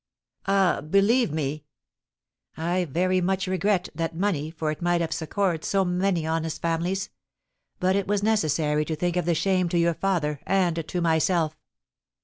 "Ah! believe me " "I very much regret that money, for it might have succoured so many honest families; but it was necessary to think of the shame to your father and to myself."